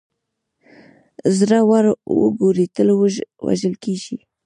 زړه ور وګړي تل وژل کېږي.